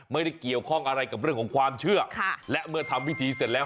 ไม่ได้เกี่ยวข้องอะไรกับเรื่องของความเชื่อและเมื่อทำพิธีเสร็จแล้ว